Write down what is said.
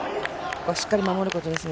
しっかり守ることですね。